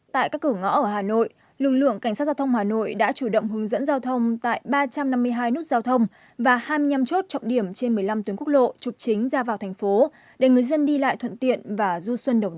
tại các cửa ngõ ở hà nội lực lượng cảnh sát giao thông hà nội đã chủ động hướng dẫn giao thông tại ba trăm năm mươi hai nút giao thông và hai mươi năm chốt trọng điểm trên một mươi năm tuyến quốc lộ trục chính ra vào thành phố để người dân đi lại thuận tiện và du xuân đồng